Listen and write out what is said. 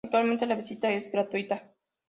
Actualmente la visita es gratuita.